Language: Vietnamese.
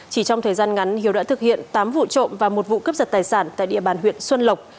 chỉ trong thời gian ngắn hiếu đã thực hiện tám vụ trộm và một vụ cướp giật tài sản tại địa bàn huyện xuân lộc